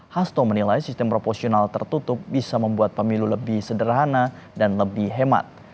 hasto menilai sistem proporsional tertutup bisa membuat pemilu lebih sederhana dan lebih hemat